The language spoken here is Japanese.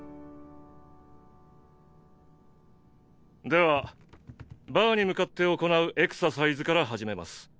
ではバーに向かって行うエクササイズから始めます。